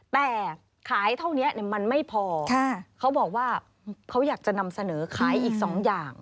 แต่ขายเท่านี้มันไม่พอเขาบอกว่าเขาอยากจะนำเสนอขายอีก๒อย่าง